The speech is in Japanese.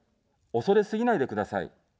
恐れすぎないでください。